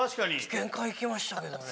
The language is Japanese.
限界いきましたけどね。